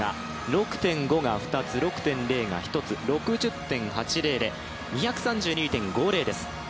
６．５が２つ、６．０が１つ６０．８０で２３６．５０です。